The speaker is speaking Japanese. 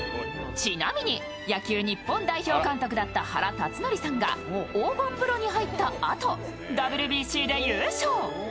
ちなみに野球日本代表監督だった原辰徳さんが黄金風呂に入った後、ＷＢＣで優勝。